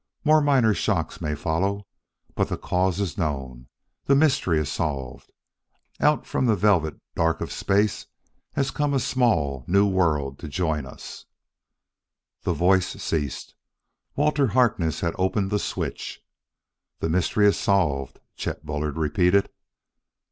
More minor shocks may follow, but the cause is known; the mystery is solved. Out from the velvet dark of space has come a small, new world to join us " The voice ceased. Walter Harkness had opened the switch. "The mystery is solved," Chet Bullard repeated.